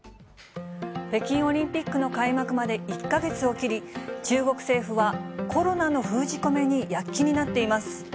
北京オリンピックの開幕まで１か月を切り、中国政府は、コロナの封じ込めに躍起になっています。